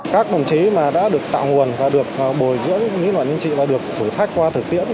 các đồng chí mà đã được tạo nguồn và được bồi dưỡng những loại nhân trị và được thử thách qua thực tiễn